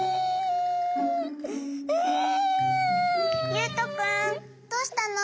ゆうとくんどうしたの？